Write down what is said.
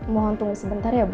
mohon tunggu sebentar ya bu